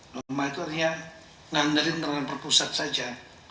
lemah itu artinya ngandarin transfer pusat saja